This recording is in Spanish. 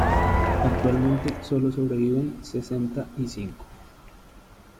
Actualmente sólo sobreviven sesenta y cinco.